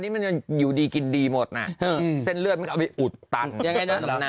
นี่มันอยู่ดีกินดีหมดน่ะเส้นเลือดมันเอาไปอุดตันยังไงนะ